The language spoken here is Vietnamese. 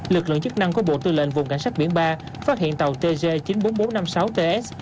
lực lượng chức năng của bộ tư lệnh vùng cảnh sát biển ba phát hiện tàu tg chín mươi bốn nghìn bốn trăm năm mươi sáu ts